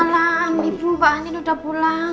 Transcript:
waalaikumsalam ibu pak andin udah pulang